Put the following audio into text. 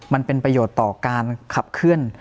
มันเป็นประโยชน์ต่อการขับเคลื่อน